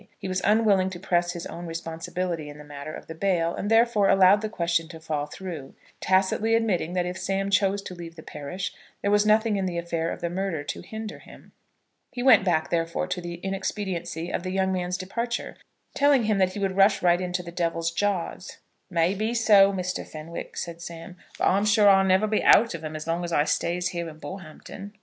He was unwilling to press his own responsibility in the matter of the bail, and therefore allowed the question to fall through, tacitly admitting that if Sam chose to leave the parish, there was nothing in the affair of the murder to hinder him. He went back, therefore, to the inexpediency of the young man's departure, telling him that he would rush right into the Devil's jaws. "May be so, Mr. Fenwick," said Sam, "but I'm sure I'll never be out of 'em as long as I stays here in Bullhampton."